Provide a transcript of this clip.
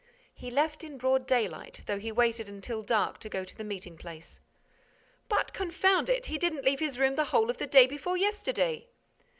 "He left in broad daylight, though he waited until dark to go to the meeting place." "But, confound it, he didn't leave his room the whole of the day before yesterday!"